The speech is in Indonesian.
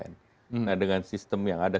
nah dengan sistem yang ada